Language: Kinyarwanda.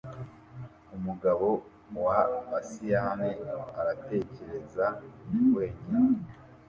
umugabo wa asiyani aratekereza wenyine